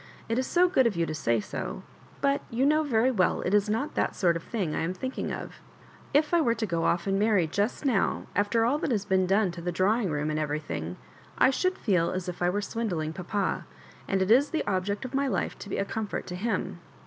It is so good of you to say so ; but you know very well It is not that sort of thing I am thinking o£ If I were to go off «md marry just now, after all that has been done to the drawing room and everything, I should feel as if I were swindling papa ; and it is the obyeet of my life to be a com fort to him."